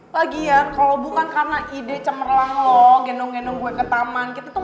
lagian kalau bukan karena ide cemerlang loh gendong gendong gue ke taman kita tuh